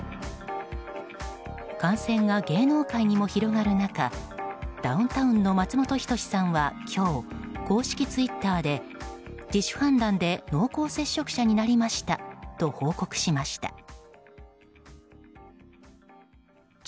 感染が芸能界にも広がる中ダウンタウンの松本人志さんは今日公式ツイッターで、自主判断で濃厚接触者になりましたと報告しました。